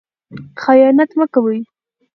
خیانت مه کوئ.